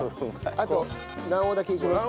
あと卵黄だけいきます。